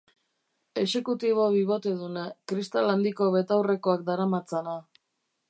Exekutibo biboteduna, kristal handiko betaurrekoak daramatzana.